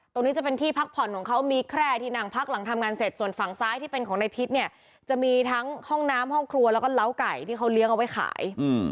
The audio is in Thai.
ตรงนี้จะเป็นที่พักผ่อนของเขามีแคร่ที่นั่งพักหลังทำงานเสร็จส่วนฝั่งซ้ายที่เป็นของนายพิษเนี่ยจะมีทั้งห้องน้ำห้องครัวแล้วก็เล้าไก่ที่เขาเลี้ยงเอาไว้ขาย